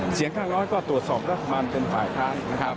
เสียงข้างน้อยก็ตรวจสอบรัฐบาลเป็นฝ่ายภาค